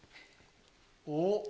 おっ！